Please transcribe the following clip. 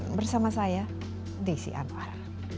dan bersama saya desi anwar